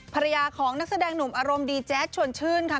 ภรรยาของนักแสดงหนุ่มอารมณ์ดีแจ๊ดชวนชื่นค่ะ